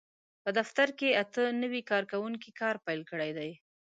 په دفتر کې اته نوي کارکوونکي کار پېل کړی دی.